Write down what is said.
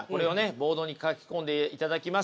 ボードに書き込んでいただきます。